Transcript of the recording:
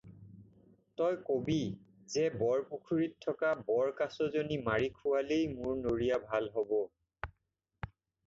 তই ক'বি যে বৰপুখুৰীত থকা বৰকাছজনী মাৰি খুৱালেই মোৰ নৰিয়া ভল হ'ব।